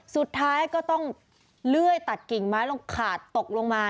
สุดท้ายก็ต้องเลื่อยตัดกิ่งไม้ลงขาดตกลงมา